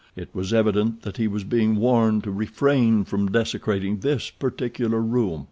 It was evident that he was being warned to refrain from desecrating this particular room.